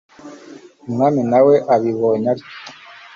umwami na we abibonye atyo